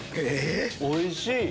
おいしい！